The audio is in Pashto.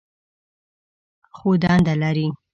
خو دنده لري.